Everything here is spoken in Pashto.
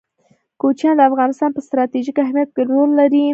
کوچیان د افغانستان په ستراتیژیک اهمیت کې رول لري.